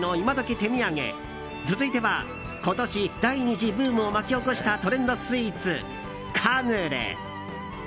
手土産続いては、今年第二次ブームを巻き起こしたトレンドスイーツ、カヌレ。